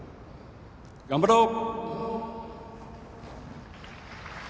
頑張ろう！